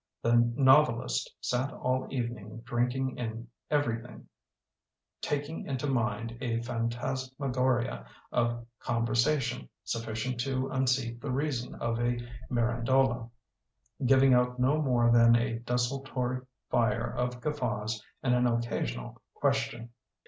The nov elist sat all evening drinking in every thing, taking into mind a phantas magoria of conversation sufficient to unseat the reason of a Mirandola; giving out no more than a desultory fire of guffaws and an occasional ques tion.